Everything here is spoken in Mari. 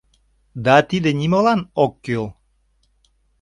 Да тиде нимолан ок кӱл.